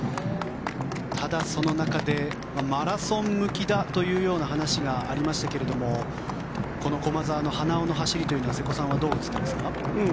ただ、その中でマラソン向きだという話がありましたがこの駒澤の花尾の走りというのは瀬古さんはどう映っていますか？